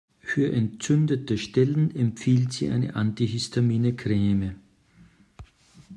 Für entzündete Stellen empfiehlt sie eine antihistamine Creme.